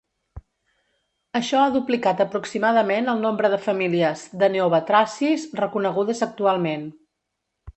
Això ha duplicat aproximadament el nombre de famílies de neobatracis reconegudes actualment.